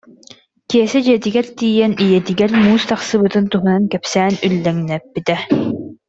Киэсэ дьиэтигэр тиийэн ийэтигэр муус тахсыбытын туһунан кэпсээн үллэҥнэппитэ